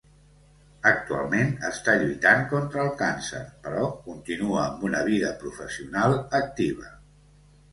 Actualment està lluitant contra el càncer, però continua amb una vida professional activa.